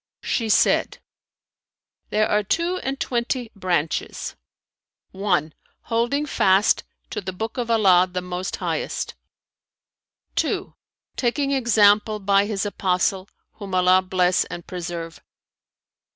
She said, "There are two and twenty branches: (1) holding fast to the Book of Allah the Most Highest; (2) taking example by His Apostle (whom Allah bless and preserve!)